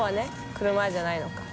車じゃないのか。